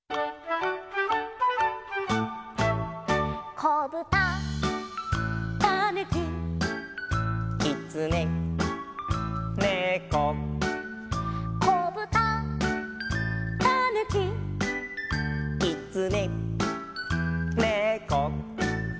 「こぶた」「たぬき」「きつね」「ねこ」「こぶた」「たぬき」「きつね」「ねこ」